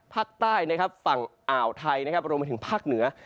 ภาคใต้นะครับฝั่งอ่าวไทยนะครับรวมไปถึงภาคเหนือ